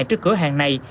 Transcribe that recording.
trước cửa hàng này